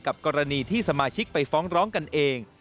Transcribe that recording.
กรณีที่สมาชิกไปฟ้องร้องกันเอง